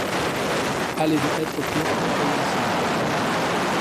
Allée de hêtres pourpres taillés en cylindre.